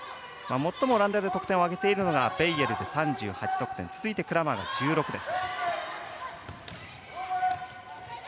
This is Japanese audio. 最もオランダで得点を挙げているのがベイエルで３８得点、続いてクラーマーの１６です。